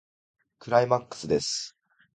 クライマックスです。